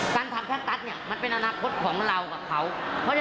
สร้างบ้านหาโค้ด๒ชั้นอย่างนี้จะต้องลงลึกด้วยก่อน